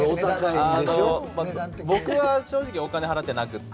僕は正直お金払ってなくて。